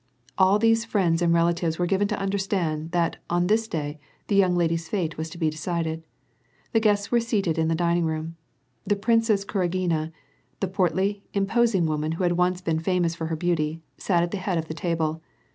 All th<*se friends and relatives wtMe i^iven to imderstand. that, on this day, the yoani^ lady*s fat<* was to be decided. The gu(*sts were seati'd in the dining r(H>]n. The Princess Kurajj:ina, a ])ortly, im])os ing woman, who had once been famous for her beauty, sat at the head of the table.